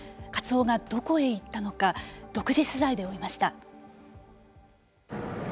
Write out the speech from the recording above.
カツオがどこへ行ったのか独自取材で追いました。